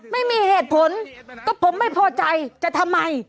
ไม่มีเหตุผลก็ผมไม่พอใจจะทำไม